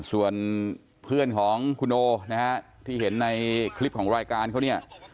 ส่วนเพื่อนของคุณโอนะฮะที่เห็นในคลิปของรายการเขาเนี่ย